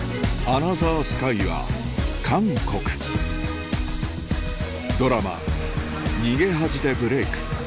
アナザースカイは韓国ドラマ『逃げ恥』でブレイク